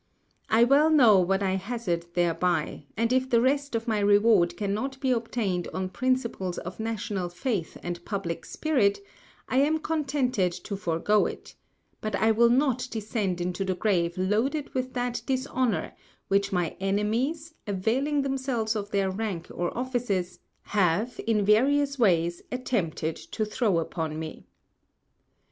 I well know what I hazard thereby, and if the rest of my Reward cannot be obtained on Principles of National Faith and Publick Spirit, I am contented to forego it, but I will not descend into the Grave loaded with that Dishonour which my Enemies, availing themselves of their Rank or Offices, have, in various Ways, attempted to throw upon me.